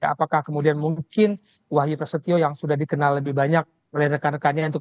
apakah kemudian mungkin wahyu prasetyo yang sudah dikenal lebih banyak oleh rekan rekannya